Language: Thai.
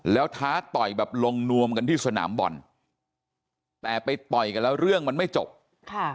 แล้วท้าต่อยแบบลงนวมกันที่สนามบอลแต่ไปต่อยกันแล้วเรื่องมันไม่จบค่ะ